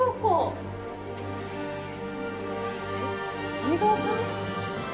水道管？